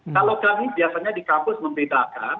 kalau kami biasanya di kampus membedakan